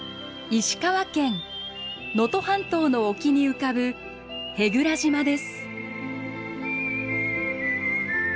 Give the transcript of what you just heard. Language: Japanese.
石川県能登半島の沖に浮かぶ舳倉島です。